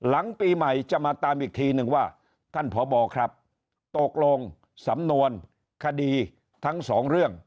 ปีใหม่จะมาตามอีกทีนึงว่าท่านพบครับตกลงสำนวนคดีทั้งสองเรื่อง